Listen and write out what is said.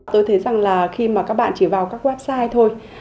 tôi thấy rằng là khi mà các bạn chỉ vào các website thôi